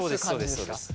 そうです。